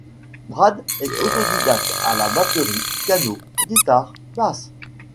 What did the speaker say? Brad est autodidacte à la batterie, piano, guitare, basse.